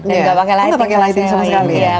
nggak pakai lighting sama sekali